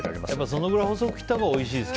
それくらい細く切ったほうがおいしいですか。